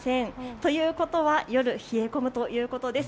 ということは夜冷え込むということです。